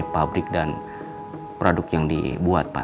pabrik dan produk yang dibuat pak